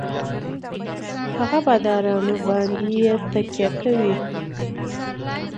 هـغـه بـادارنـو بـانـدې يـې تکيـه کـوي.